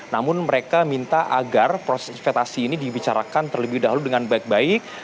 namun mereka minta agar proses investasi ini dibicarakan terlebih dahulu dengan baik baik